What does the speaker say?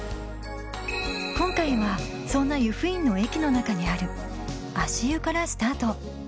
今回はそんな由布院の駅の中にある足湯からスタート